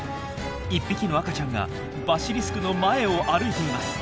１匹の赤ちゃんがバシリスクの前を歩いています。